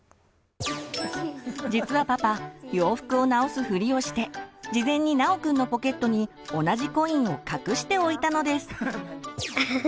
実はパパ洋服を直すフリをして事前に尚くんのポケットに同じコインを隠しておいたのです。